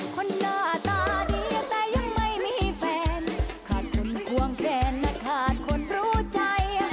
คนหน้าตาดีแต่ยังไม่มีแฟนขาดจนควงแขนมาขาดคนรู้ใจ